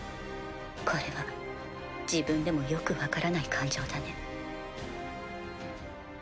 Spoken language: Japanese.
これは自分でもよく分からない感情だね。